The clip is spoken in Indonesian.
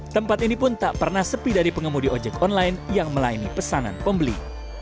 tempat ini pun tak pernah sepi dari pengemudi ojek online yang melayani pesanan pembeli